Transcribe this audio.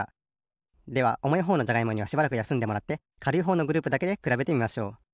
ではおもいほうのじゃがいもにはしばらくやすんでもらってかるいほうのグループだけでくらべてみましょう。